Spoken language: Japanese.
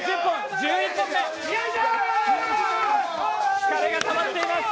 疲れがたまっています。